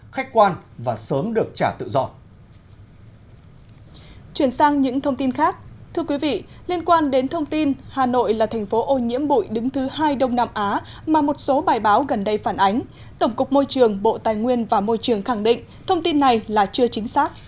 thưa quý vị liên quan đến thông tin hà nội là thành phố ô nhiễm bụi đứng thứ hai đông nam á mà một số bài báo gần đây phản ánh tổng cục môi trường bộ tài nguyên và môi trường khẳng định thông tin này là chưa chính xác